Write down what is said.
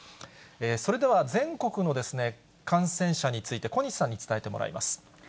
それでは、全国の感染者について、小西さんに伝えてもらいます。